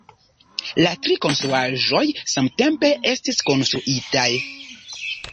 La tri konstruaĵoj samtempe estis konstruitaj.